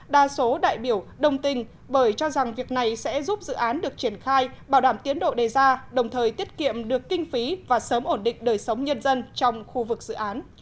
đa số đại biểu đồng tình bởi cho rằng việc này sẽ giúp dự án được triển khai bảo đảm tiến độ đề ra đồng thời tiết kiệm được kinh phí và sớm ổn định đời sống nhân dân trong khu vực dự án